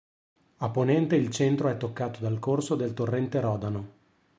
A ponente il centro è toccato dal corso del torrente Rodano.